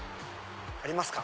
ありますか？